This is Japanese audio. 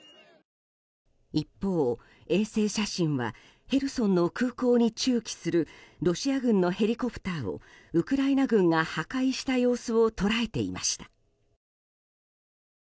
一方、衛星写真はヘルソンの空港に駐機するロシア軍のヘリコプターをウクライナ軍が破壊した様子を捉えていました。